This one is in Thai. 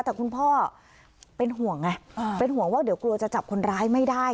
แต่คุณพ่อเป็นห่วงไงเป็นห่วงว่าเดี๋ยวกลัวจะจับคนร้ายไม่ได้